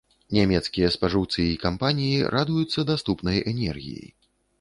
Нямецкія спажыўцы і кампаніі радуюцца даступнай энергіі.